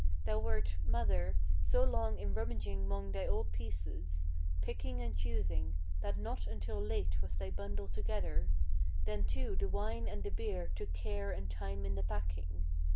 Thou wert, mother, so long in rummaging 'mong thy old pieces, Picking and choosing, that not until late was thy bundle together; Then too the wine and the beer took care and time in the packing.